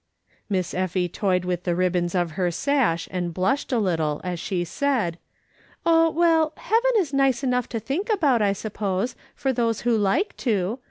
Miss Effie toyed with the ribbons of her sash, and bhished a little as she said :" Oh, well, heaven is nice enough to think about, I suppose, for those who like to.